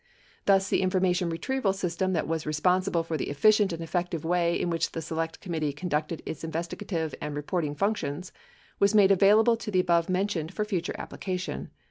Thus the information retrieval system that was responsible for the efficient and effective way in which the Select Committee conducted its investigative and reporting functions was made available to the above mentioned for future application.